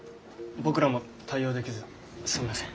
僕らも対応できずすみません。